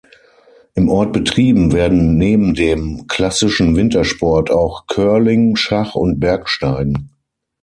Im Ort betrieben werden neben dem klassischen Wintersport auch Curling, Schach und Bergsteigen.